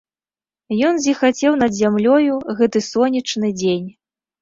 Ён зіхацеў над зямлёю, гэты сонечны дзень.